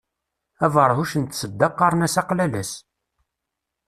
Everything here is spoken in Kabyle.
Aberhuc n tsedda qqaren-as aqlalas.